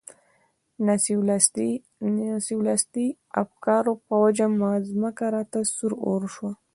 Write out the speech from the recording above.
ناسیونالیستي افکارو په وجه مځکه راته سور اور شوه.